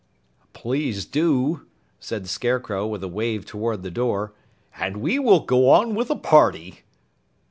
"Please do," said the Scarecrow with a wave toward the door, "and we will go on with the party!"